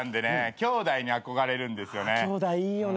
きょうだいに憧れるんですよね。